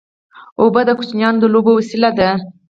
اوبه د ماشومانو د لوبو وسیله ده.